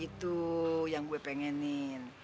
itu yang gue pengenin